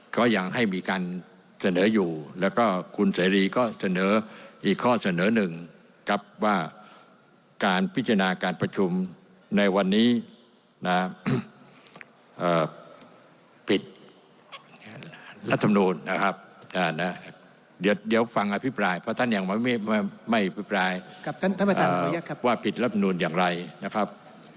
ก็ยังให้มีการเสนออยู่แล้วก็คุณเสรีก็เสนออีกข้อเสนอหนึ่งครับว่าการพิจารณาการประชุมในวันนี้นะครับปิดรัฐมนูลนะครับเดี๋ยวฟังอภิปรายเพราะท่านยังไม่อภิปรายกับท่านประธานว่าผิดรับนูนอย่างไรนะครับ